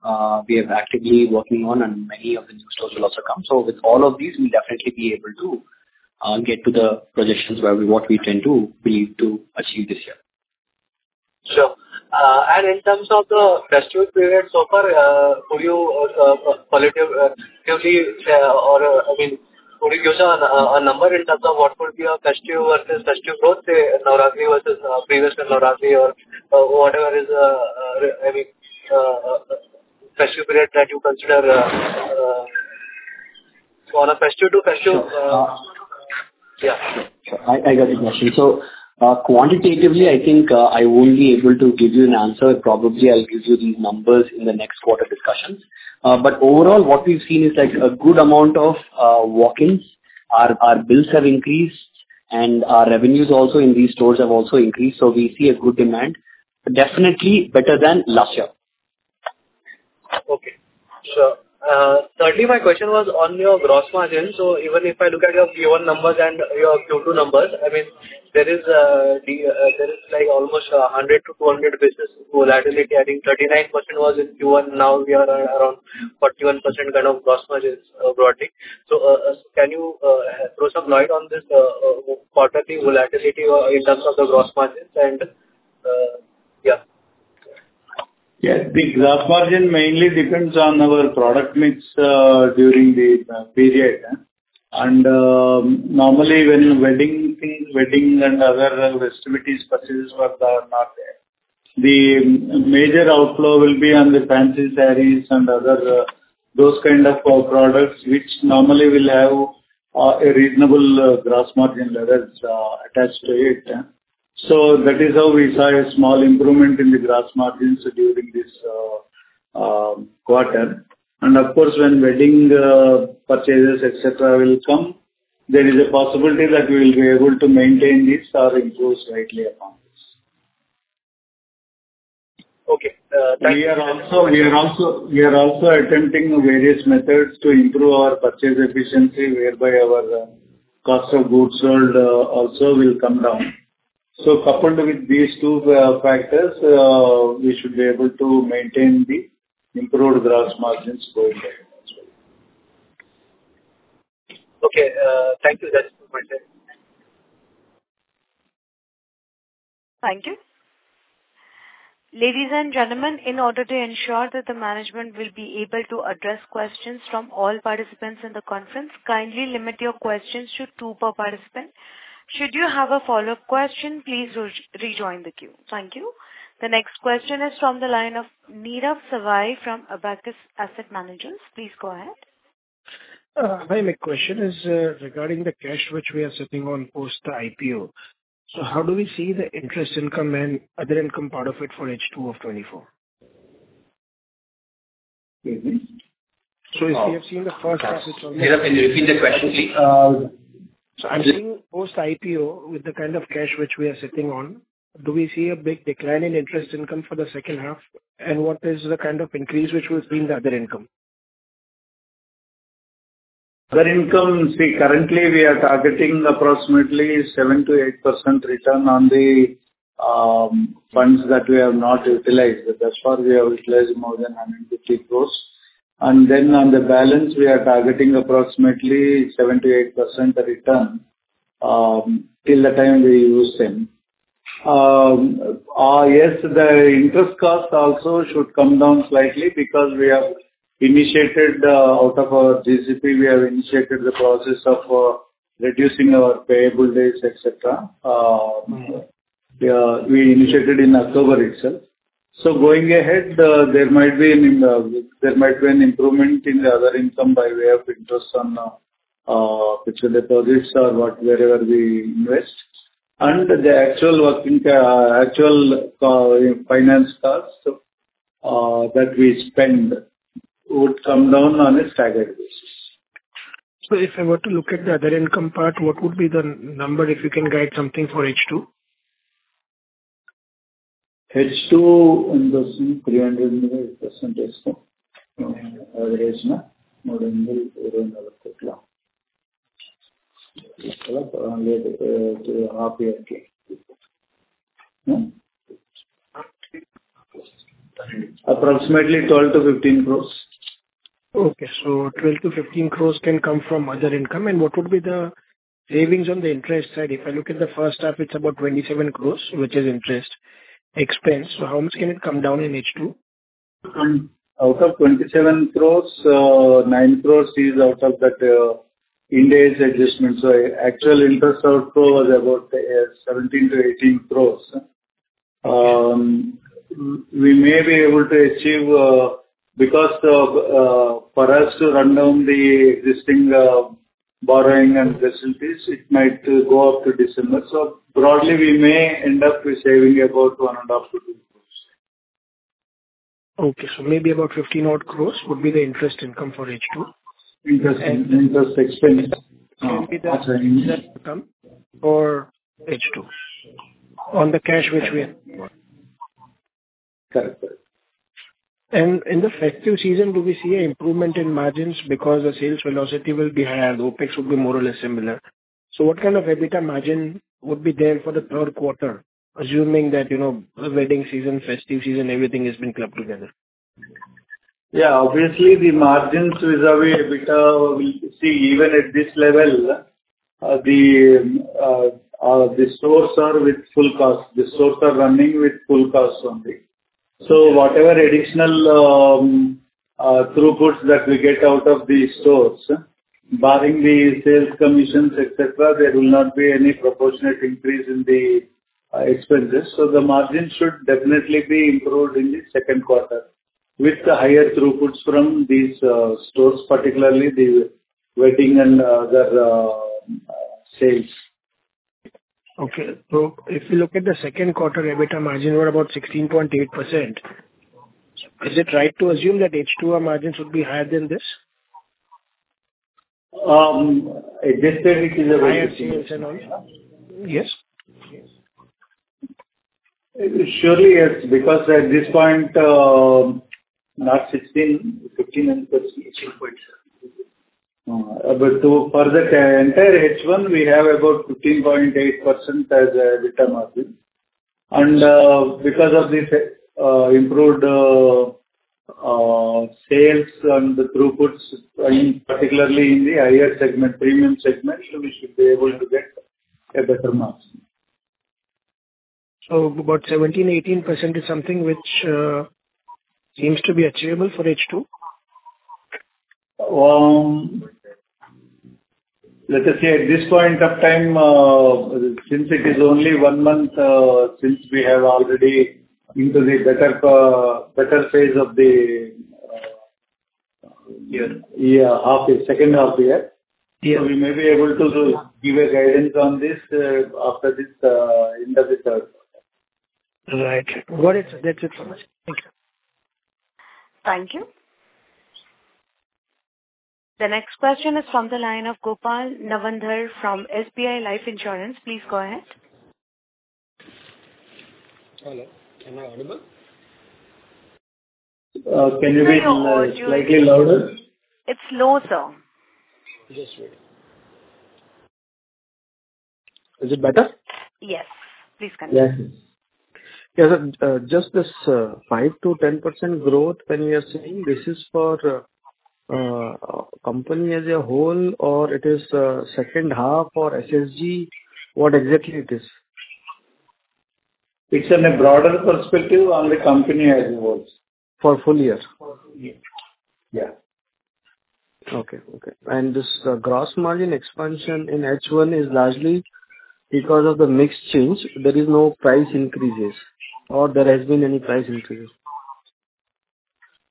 we are actively working on, and many of the new stores will also come. So with all of these, we'll definitely be able to get to the projections where we, what we tend to believe to achieve this year. Sure. And in terms of the festive period so far, could you qualitatively, or, I mean, could you give us a number in terms of what would be your festive versus festive growth, say, Navratri versus previous year Navratri or whatever is any festive period that you consider on a festive to festive... Yeah. I got your question. So, quantitatively, I think, I won't be able to give you an answer. Probably, I'll give you the numbers in the next quarter discussions. But overall, what we've seen is, like, a good amount of walk-ins. Our bills have increased, and our revenues also in these stores have also increased, so we see a good demand. Definitely better than last year. Okay. So, thirdly, my question was on your gross margin. So even if I look at your Q1 numbers and your Q2 numbers, I mean, there is like almost 100-200 basis volatility. I think 39% was in Q1, now we are around 41% kind of gross margins, broadly. So, can you throw some light on this quarterly volatility in terms of the gross margins and... Yeah. Yes, the gross margin mainly depends on our product mix during the period. Normally, when wedding things, wedding and other festivities purchases are not there, the major outflow will be on the fancy sarees and other those kind of products, which normally will have a reasonable gross margin levels attached to it. So that is how we saw a small improvement in the gross margins during this quarter. And of course, when wedding purchases, et cetera, will come, there is a possibility that we will be able to maintain this or improve slightly upon this. Okay, thank you. We are also attempting various methods to improve our purchase efficiency, whereby our cost of goods sold also will come down. So coupled with these two factors, we should be able to maintain the improved gross margins going forward. Okay. Thank you, sir. Bye-bye. Thank you. Ladies and gentlemen, in order to ensure that the management will be able to address questions from all participants in the conference, kindly limit your questions to two per participant. Should you have a follow-up question, please re-rejoin the queue. Thank you. The next question is from the line of Neeraj Savai from Abakkus Asset Manager. Please go ahead. My question is, regarding the cash which we are sitting on post the IPO. So how do we see the interest income and other income part of it for H2 of 2024? Mm-hmm. If you have seen the first- Neeraj, can you repeat the question, please? So I'm seeing post-IPO with the kind of cash which we are sitting on, do we see a big decline in interest income for the second half? And what is the kind of increase which we'll see in the other income? Other income, see, currently we are targeting approximately 7%-8% return on the funds that we have not utilized. But thus far, we have utilized more than 150 crores. And then on the balance, we are targeting approximately 7%-8% return till the time we use them. Yes, the interest cost also should come down slightly because we have initiated out of our GCP, we have initiated the process of reducing our payable days, et cetera. Mm-hmm. We initiated in October itself. So going ahead, there might be an improvement in the other income by way of interest on fixed deposits or what, wherever we invest. And the actual working actual finance costs that we spend would come down on a staggered basis. If I were to look at the other income part, what would be the number, if you can guide something for H2? H2 in those 300%, average, more than 40 approximately 12 crore-15 crore. Okay. So 12-15 crore can come from other income. And what would be the savings on the interest side? If I look at the first half, it's about 27 crore, which is interest expense. So how much can it come down in H2? Out of 27 crore, nine crore is out of that, Ind AS adjustment. So actual interest outflow was about seventeen to eighteen crore. We may be able to achieve, because the, for us to run down the existing, borrowing and facilities, it might go up to December. So broadly, we may end up saving about 1.5-2 crore. Okay, so maybe about 15 odd crores would be the interest income for H2? Interest, interest expense. Be the net income for H2 on the cash which we have. Correct. In the festive season, do we see an improvement in margins because the sales velocity will be higher, the OpEx will be more or less similar? So what kind of EBITDA margin would be there for the third quarter, assuming that, you know, the wedding season, festive season, everything has been clubbed together? Yeah, obviously, the margins with our EBITDA, we see even at this level, the stores are with full cost. The stores are running with full cost only. Okay. So whatever additional throughputs that we get out of these stores, barring the sales commissions, et cetera, there will not be any proportionate increase in the expenses. So the margins should definitely be improved in the second quarter with the higher throughputs from these stores, particularly the wedding and other sales. Okay. So if you look at the second quarter, EBITDA margin were about 16.8%. Is it right to assume that H2, our margins would be higher than this? At this stage, it is Higher yes. Surely, yes, because at this point, not 16, 15 and- 6.7. But for the entire H1, we have about 15.8% as EBITDA margin. And because of this, improved sales and the throughputs, particularly in the higher segment, premium segment, so we should be able to get a better margin. So about 17%-18% is something which seems to be achievable for H2? Let us say at this point of time, since it is only one month, since we have already into the better, better phase of the, Year. Yeah, half year, second half year. Yes. We may be able to give a guidance on this after this intermediate term. Right. Got it. That's it from us. Thank you. Thank you. The next question is from the line of Gopal Navandhar from SBI Life Insurance. Please go ahead.... Hello, am I audible? Can you be slightly louder? It's low, sir. Just wait. Is it better? Yes, please continue. Yeah. Yeah, so, just this 5%-10% growth when you are saying, this is for company as a whole, or it is second half for SSG, what exactly it is? It's in a broader perspective on the company as it was. For full year? For full year. Yeah. Okay, okay. And this gross margin expansion in H1 is largely because of the mix change. There is no price increases, or there has been any price increases?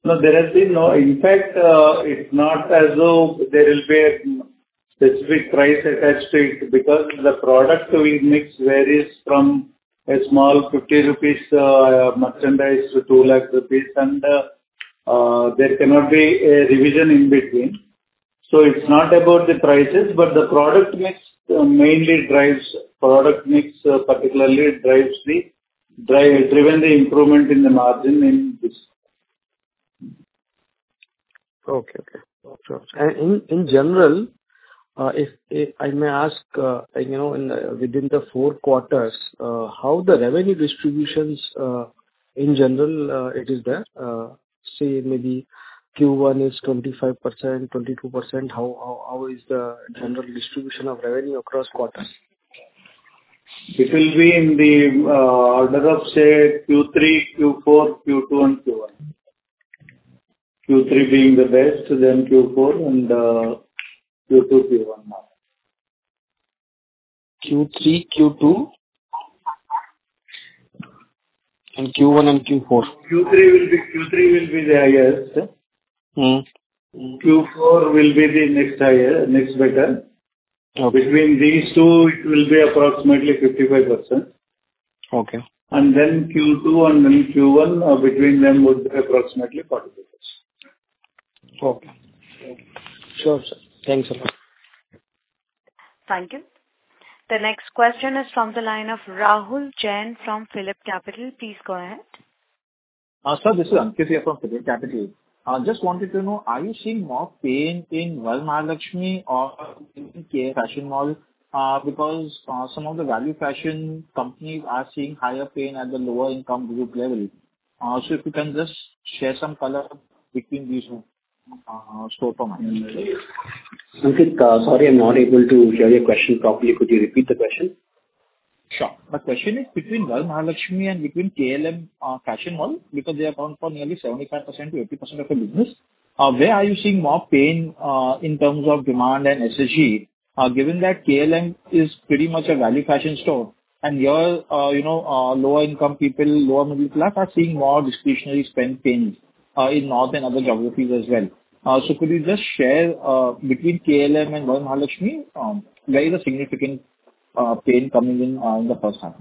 No, there has been no... In fact, it's not as though there will be a specific price attached to it because the product mix varies from a small 50 rupees merchandise to 200,000 rupees, and there cannot be a revision in between. So it's not about the prices, but the product mix mainly drives, product mix, particularly drives the improvement in the margin in this. Okay, okay. Gotcha. And in general, if I may ask, you know, within the four quarters, how the revenue distributions, in general, it is there? Say maybe Q1 is 25%, 22%. How is the general distribution of revenue across quarters? It will be in the order of, say, Q3, Q4, Q2, and Q1. Q3 being the best, then Q4, and Q2, Q1. Q3, Q2, and Q1 and Q4. Q3 will be the highest. Mm-hmm. Q4 will be the next highest, next better. Okay. Between these two, it will be approximately 55%. Okay. And then Q2 and then Q1 between them would be approximately 40%. Okay. Okay. Sure, sir. Thanks a lot. Thank you. The next question is from the line of Rahul Jain from PhillipCapital. Please go ahead. Sir, this is Ankit here from PhillipCapital. I just wanted to know, are you seeing more pain in Varamahalakshmi or in KLM Fashion Mall? Because some of the value fashion companies are seeing higher pain at the lower income group level. So if you can just share some color between these store formats. Ankit, sorry, I'm not able to hear your question properly. Could you repeat the question? Sure. My question is between Varamahalakshmi and between KLM Fashion Mall, because they account for nearly 75%-80% of the business. Where are you seeing more pain in terms of demand and SSG, given that KLM is pretty much a value fashion store, and your, you know, lower income people, lower middle class, are seeing more discretionary spend pains in north and other geographies as well. So could you just share between KLM and Varamahalakshmi where is the significant pain coming in in the first half?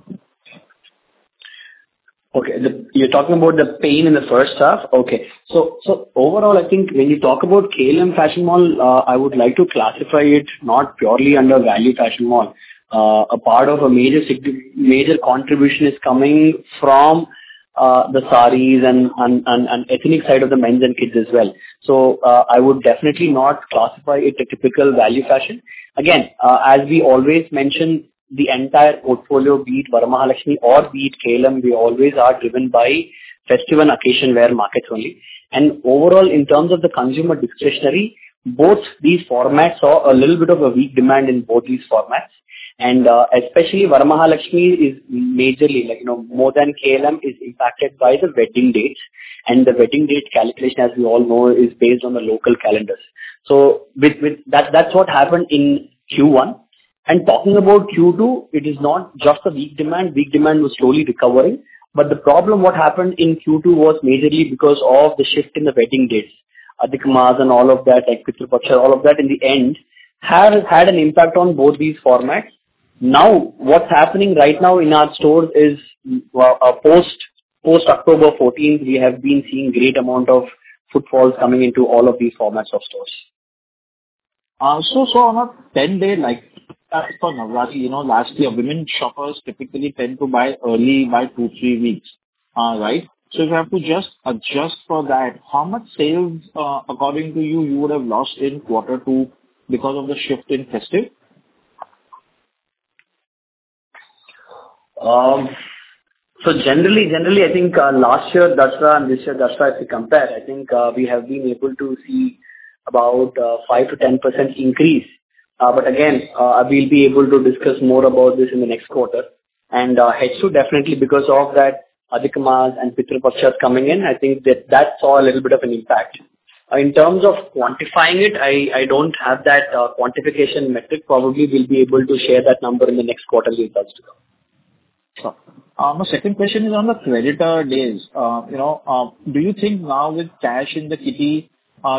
Okay. The, you're talking about the pain in the first half? Okay. So, so overall, I think when you talk about KLM Fashion Mall, I would like to classify it not purely under value fashion mall. A part of a major contribution is coming from the sarees and ethnic side of the men's and kids' as well. So, I would definitely not classify it a typical value fashion. Again, as we always mention, the entire portfolio, be it Varamahalakshmi or be it KLM, we always are driven by festive and occasion wear markets only. And overall, in terms of the consumer discretionary, both these formats saw a little bit of a weak demand in both these formats. Especially Varamahalakshmi is majorly, like, you know, more than KLM, impacted by the wedding dates, and the wedding date calculation, as you all know, is based on the local calendars. That's what happened in Q1. Talking about Q2, it is not just a weak demand. Weak demand was slowly recovering, but the problem what happened in Q2 was majorly because of the shift in the wedding dates. Adhik Maas and all of that, Pitru Paksha, all of that, in the end, has had an impact on both these formats. Now, what's happening right now in our stores is, post-October fourteenth, we have been seeing great amount of footfalls coming into all of these formats of stores. So on a 10-day, like, for Navratri, you know, lastly, our women shoppers typically tend to buy early by 2-3 weeks. Right? So you have to just adjust for that. How much sales, according to you, you would have lost in quarter two because of the shift in festive? So generally, generally, I think last year Dussehra and this year Dussehra, if we compare, I think we have been able to see about 5%-10% increase. But again, we'll be able to discuss more about this in the next quarter. And H2, definitely because of that Adhik Maas and Pitru Paksha coming in, I think that that saw a little bit of an impact. In terms of quantifying it, I, I don't have that quantification metric. Probably we'll be able to share that number in the next quarter with regards to that. Sure. My second question is on the creditor days. You know, do you think now with cash in the kitty,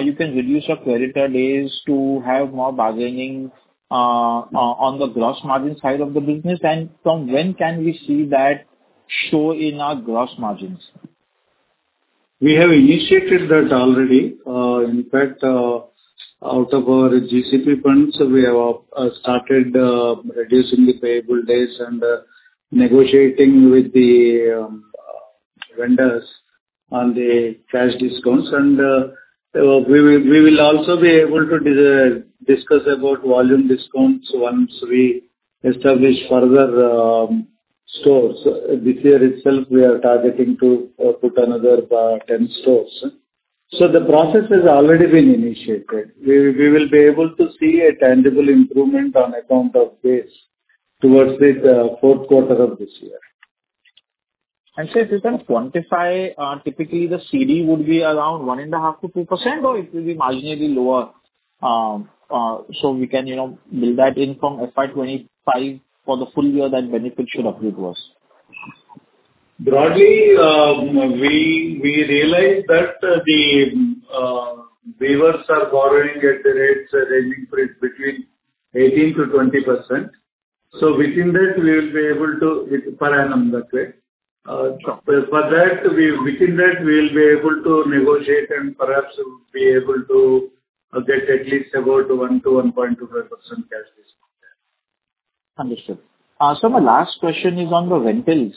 you can reduce your creditor days to have more bargaining on the gross margin side of the business? And from when can we see that show in our gross margins?... We have initiated that already. In fact, out of our GCP funds, we have started reducing the payable days and negotiating with the vendors on the cash discounts. And we will also be able to discuss about volume discounts once we establish further stores. This year itself, we are targeting to put another 10 stores. So the process has already been initiated. We will be able to see a tangible improvement on account of this towards the fourth quarter of this year. Sir, if you can quantify, typically the CD would be around 1.5%-2%, or it will be marginally lower? So we can, you know, build that in from FY 2025 for the full year that benefit should accrue to us. Broadly, we realized that the weavers are borrowing at rates ranging from between 18%-20%. So within that, we will be able to with per annum, that's it. For that, within that, we will be able to negotiate and perhaps be able to get at least about 1%-1.25% cash discount. Understood. Sir, my last question is on the rentals.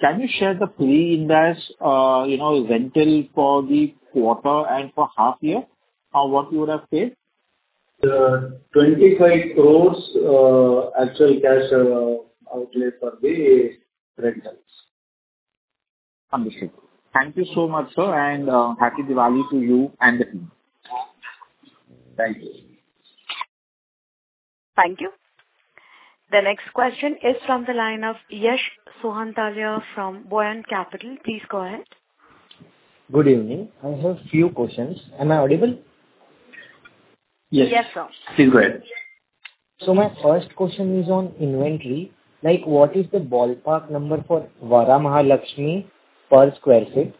Can you share the pre-Ind AS, you know, rental for the quarter and for half year, what you would have paid? 25 crore actual cash outlay for the rentals. Understood. Thank you so much, sir, and happy Diwali to you and the team. Thank you. Thank you. The next question is from the line of Yash Sonthalia from Buoyant Capital. Please go ahead. Good evening. I have a few questions. Am I audible? Yes. Yes, sir. Please go ahead. My first question is on inventory. Like, what is the ballpark number for Varamahalakshmi per square feet?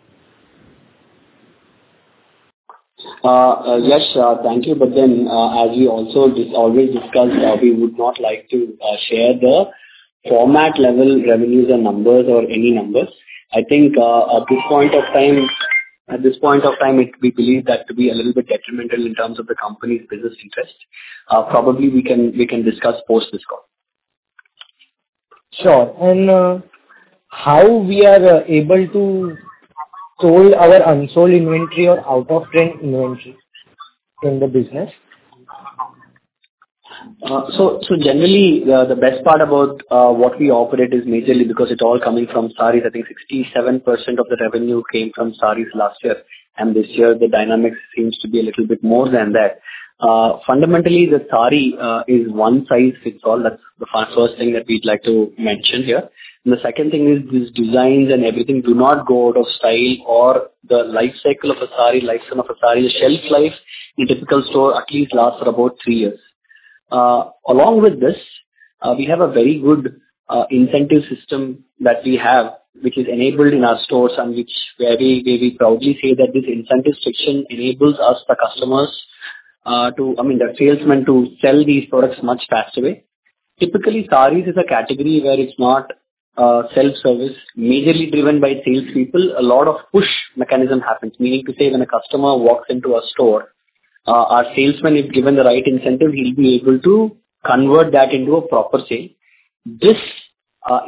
Yash, thank you. But then, as we also always discussed, we would not like to share the format level revenues or numbers or any numbers. I think, at this point of time, we believe it to be a little bit detrimental in terms of the company's business interest. Probably, we can discuss post this call. Sure. And, how we are able to sold our unsold inventory or out-of-trend inventory in the business? So generally, the best part about what we operate is majorly because it's all coming from sarees. I think 67% of the revenue came from sarees last year, and this year the dynamics seems to be a little bit more than that. Fundamentally, the saree is one size fits all. That's the first thing that we'd like to mention here. And the second thing is, these designs and everything do not go out of style or the life cycle of a saree, lifespan of a saree, the shelf life in typical store at least last for about three years. Along with this, we have a very good incentive system that we have, which is enabled in our stores and which, where we, where we proudly say that this incentive section enables us, the customers, to... I mean, the salesmen to sell these products much faster way. Typically, sarees is a category where it's not self-service, majorly driven by salespeople. A lot of push mechanism happens. Meaning to say, when a customer walks into a store, our salesman is given the right incentive, he'll be able to convert that into a proper sale. This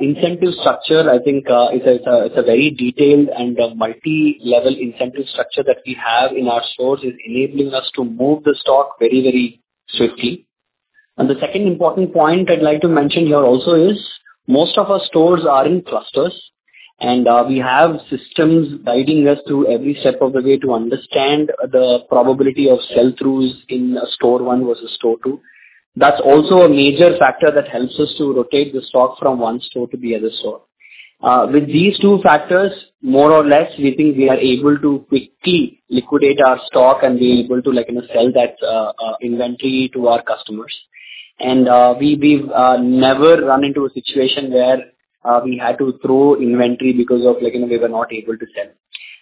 incentive structure, I think, is a, it's a very detailed and a multi-level incentive structure that we have in our stores, is enabling us to move the stock very, very swiftly. And the second important point I'd like to mention here also is, most of our stores are in clusters, and we have systems guiding us through every step of the way to understand the probability of sell-throughs in a store one versus store two. That's also a major factor that helps us to rotate the stock from one store to the other store. With these two factors, more or less, we think we are able to quickly liquidate our stock and be able to, like, you know, sell that inventory to our customers. And, we've never run into a situation where we had to throw inventory because of, like, you know, we were not able to sell.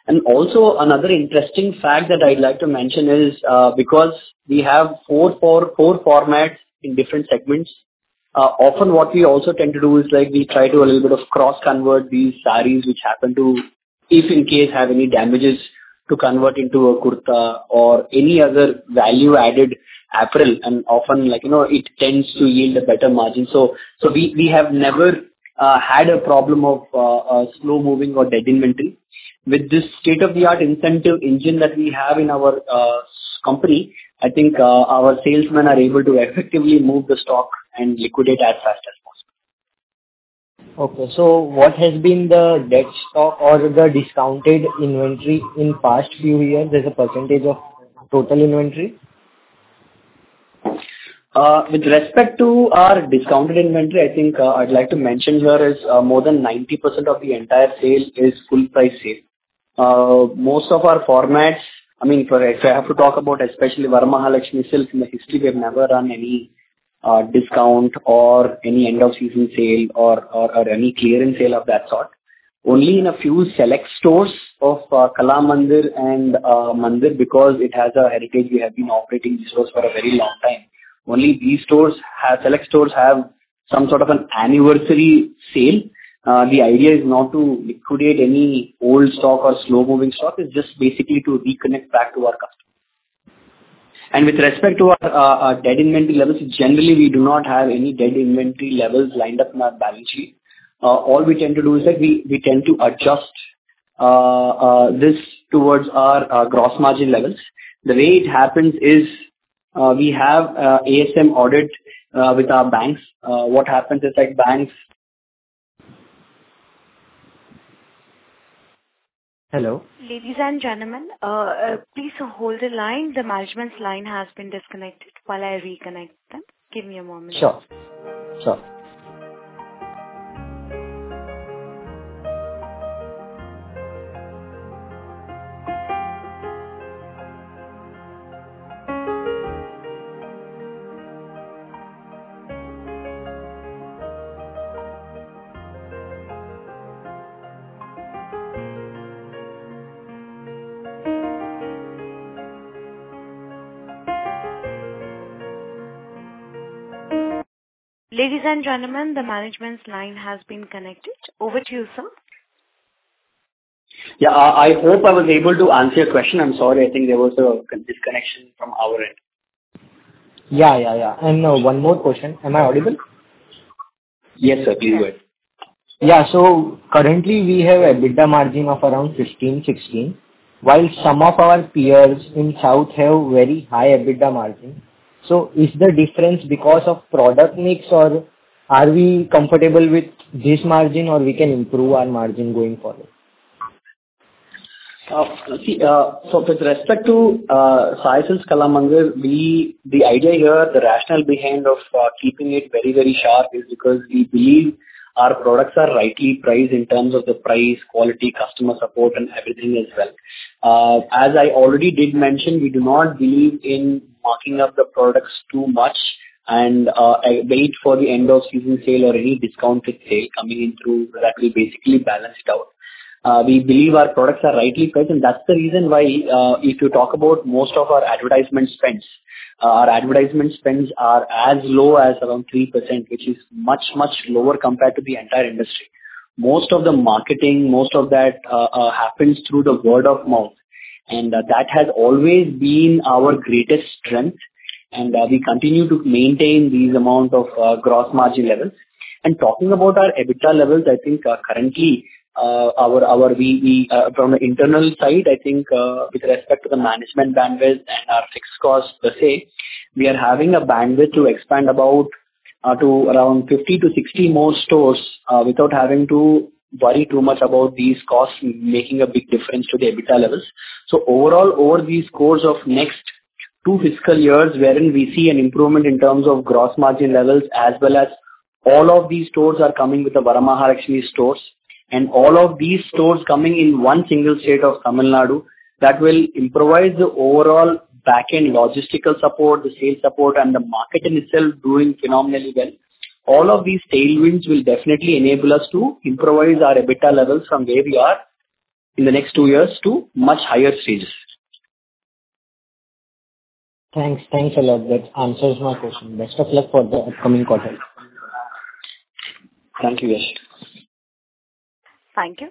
And also, another interesting fact that I'd like to mention is, because we have 4 formats in different segments, often what we also tend to do is, like, we try to a little bit of cross-convert these sarees, which happen to, if in case, have any damages, to convert into a kurta or any other value-added apparel. And often, like, you know, it tends to yield a better margin. So we have never had a problem of slow-moving or dead inventory. With this state-of-the-art incentive engine that we have in our company, I think, our salesmen are able to effectively move the stock and liquidate as fast as possible. Okay. So what has been the debt stock or the discounted inventory in past few years as a percentage of total inventory? With respect to our discounted inventory, I think, I'd like to mention here is, more than 90% of the entire sale is full price sale. Most of our formats, I mean, for, if I have to talk about, especially Varamahalakshmi Silks, in the history, we have never run any, discount or any end of season sale or, or, or any clearance sale of that sort. Only in a few select stores of, Kalamandir and, brand Mandir, because it has a heritage, we have been operating these stores for a very long time. Only these stores have, select stores have some sort of an anniversary sale. The idea is not to liquidate any old stock or slow-moving stock, it's just basically to reconnect back to our customers. And with respect to our dead inventory levels, generally, we do not have any dead inventory levels lined up in our balance sheet. All we tend to do is that we tend to adjust this towards our gross margin levels. The way it happens is, we have ASM Audit with our banks. What happens is that banks- Hello? Ladies and gentlemen, please hold the line. The management's line has been disconnected. While I reconnect them, give me a moment. Sure. Sure. Ladies and gentlemen, the management's line has been connected. Over to you, sir. Yeah, I, I hope I was able to answer your question. I'm sorry, I think there was a disconnection from our end. Yeah, yeah, yeah. And, one more question. Am I audible? Yes, sir, pretty good. Yeah, so currently we have EBITDA margin of around 15-16, while some of our peers in South have very high EBITDA margin. So is the difference because of product mix, or are we comfortable with this margin, or we can improve our margin going forward? See, so with respect to Saravana Stores, Kalanikethan, the idea here, the rationale behind keeping it very, very sharp is because we believe our products are rightly priced in terms of the price, quality, customer support, and everything as well. As I already did mention, we do not believe in marking up the products too much and await the end of season sale or any discounted sale coming in that will basically balance it out. We believe our products are rightly priced, and that's the reason why, if you talk about most of our advertisement spends, our advertisement spends are as low as around 3%, which is much, much lower compared to the entire industry. Most of the marketing, most of that, happens through the word of mouth, and that has always been our greatest strength, and we continue to maintain these amount of gross margin levels. Talking about our EBITDA levels, I think currently our from the internal side, I think with respect to the management bandwidth and our fixed costs per se, we are having a bandwidth to expand about to around 50-60 more stores without having to worry too much about these costs making a big difference to the EBITDA levels. So overall, over this course of next two fiscal years, wherein we see an improvement in terms of gross margin levels, as well as all of these stores are coming with the Varamahalakshmi stores, and all of these stores coming in one single state of Tamil Nadu, that will improvise the overall back-end logistical support, the sales support, and the marketing itself doing phenomenally well. All of these tailwinds will definitely enable us to improvise our EBITDA levels from where we are in the next two years to much higher stages. Thanks. Thanks a lot. That answers my question. Best of luck for the upcoming quarter. Thank you, Yash. Thank you.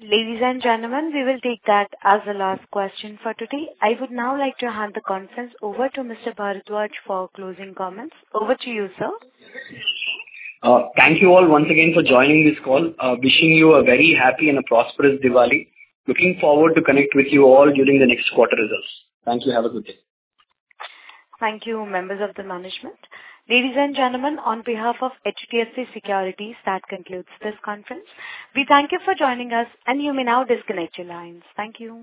Ladies and gentlemen, we will take that as the last question for today. I would now like to hand the conference over to Mr. Bharadwaj for closing comments. Over to you, sir. Thank you all once again for joining this call. Wishing you a very happy and a prosperous Diwali. Looking forward to connect with you all during the next quarter results. Thank you. Have a good day. Thank you, members of the management. Ladies and gentlemen, on behalf of HDFC Securities, that concludes this conference. We thank you for joining us, and you may now disconnect your lines. Thank you.